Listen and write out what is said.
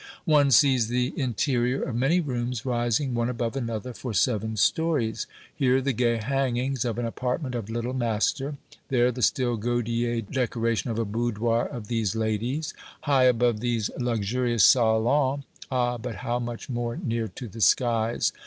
One sees the interior of many rooms rising one above another for seven stories. Here the gay hangings of an apartment of little master; there the still gaudier decoration of a boudoir of these ladies. High above these luxurious salons ah, but how much more near to the skies!